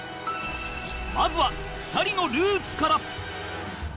まずは２人のルーツから